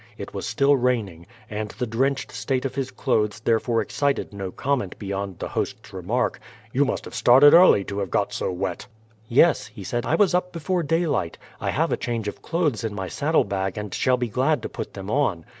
It was still raining, and the drenched state of his clothes therefore excited no comment beyond the host's remark, "You must have started early to have got so wet?" "Yes," he said, "I was up before daylight. I have a change of clothes in my saddlebag, and shall be glad to put them on.